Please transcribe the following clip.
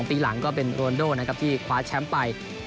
ปีหลังก็เป็นโรนโดนะครับที่คว้าแชมป์ไป